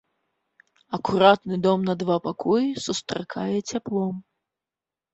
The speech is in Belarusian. Акуратны дом на два пакоі сустракае цяплом.